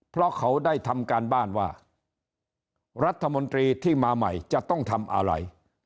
เพราะเขาได้ทำการบ้านว่ารัฐมนตรีที่มาใหม่จะต้องทำอะไร